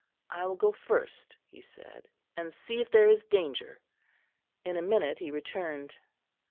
"I will go first," he said, "and see if there is danger." In a minute he returned.